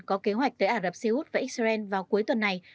có kế hoạch tới ả rập xê út và israel vào cuối tuần này